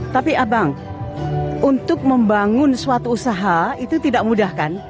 tapi abang untuk membangun suatu usaha itu tidak mudah kan